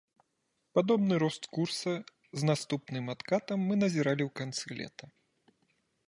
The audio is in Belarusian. Падобны рост курса з наступным адкатам мы назіралі ў канцы лета.